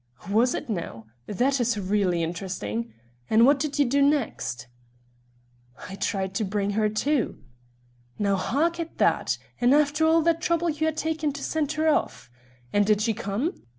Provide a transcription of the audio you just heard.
"Was it now? This is really interesting. And what did you do next?" "I tried to bring her to." "Now, hark at that! And after all the trouble you had taken to send her off. And did she come?"